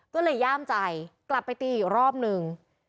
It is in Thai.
ก็เลยย่ามใจกลับไปตีอีกรอบนึง